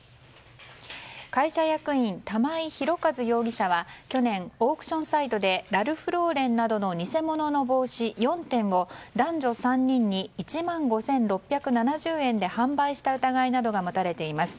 会社役員、玉井宏和容疑者は去年、オークションサイトでラルフローレンなどの偽物の帽子４点を男女３人に１万５６７０円で販売した疑いなどが持たれています。